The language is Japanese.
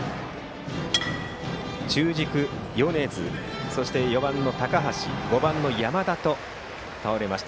中軸、米津、そして４番の高橋５番の山田と倒れました。